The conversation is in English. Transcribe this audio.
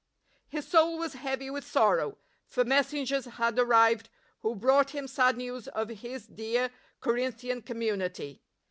His soul was heavy with sorrow, for mes sengers had arrived who brought him sad news of his dear Corinthian community.